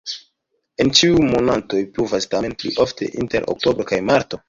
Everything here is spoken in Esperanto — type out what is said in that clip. En ĉiuj monatoj pluvas, tamen pli ofte inter oktobro kaj marto.